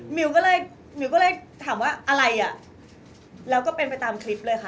มิวก็เลยมิวก็เลยถามว่าอะไรอ่ะแล้วก็เป็นไปตามคลิปเลยค่ะ